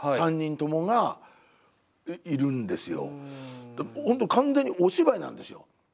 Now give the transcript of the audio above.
完全にお芝居なんですよ。